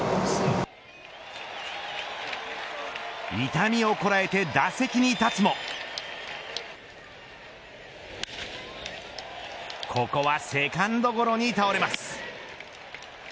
痛みをこらえて打席に立つもここはセカンドゴロに倒れます。